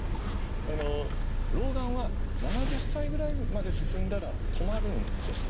老眼は７０歳ぐらいまで進んだら止まるんです。